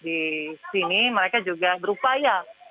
di sini mereka juga berupaya